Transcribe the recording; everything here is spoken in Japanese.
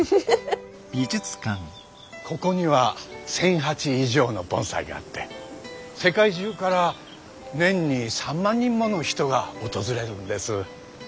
ここには１，０００鉢以上の盆栽があって世界中から年に３万人もの人が訪れるんです。